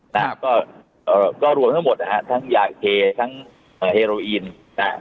นะครับก็ก็รวมทั้งหมดนะฮะทั้งยาเคทั้งเฮโรอีนนะ